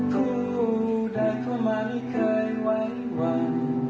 ผู้เดินเข้ามาไม่เคยไว้วัน